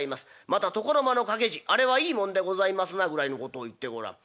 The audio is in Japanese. また床の間の掛け軸あれはいいもんでございますな』ぐらいのことを言ってごらん。